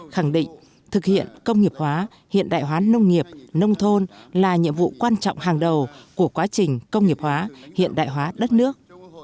khẳng định thực hiện công nghiệp hóa hiện đại hóa nông nghiệp nông thôn là nhiệm vụ quan trọng hàng đầu của quá trình công nghiệp hóa hiện đại hóa đất nước